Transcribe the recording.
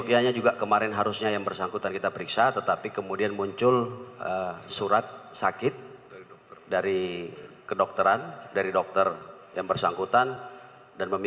pc awalnya juga diagendakan untuk diperiksa di baris krim mabespori